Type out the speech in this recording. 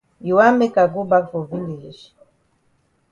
You wan make I go bak for village?